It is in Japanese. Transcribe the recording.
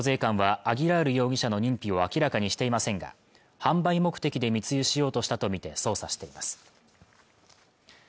東京税関はアギラール容疑者の認否を明らかにしていませんが販売目的で密輸しようとしたとみて捜査しています